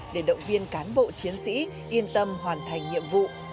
để động viên cán bộ chiến sĩ yên tâm hoàn thành nhiệm vụ